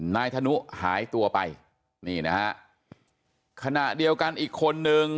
นายธนุหายตัวไปนี่นะฮะขณะเดียวกันอีกคนนึง